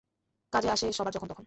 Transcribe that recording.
কাজে আসে সবার যখন তখন!